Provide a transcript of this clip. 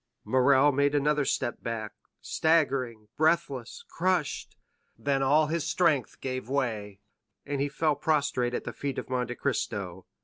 Morrel made another step back, staggering, breathless, crushed; then all his strength give way, and he fell prostrate at the feet of Monte Cristo.